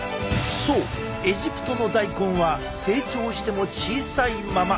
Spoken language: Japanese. そうエジプトの大根は成長しても小さいまま！